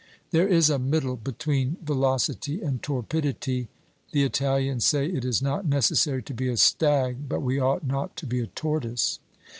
There is a middle between velocity and torpidity; the Italians say, it is not necessary to be a stag, but we ought not to be a tortoise.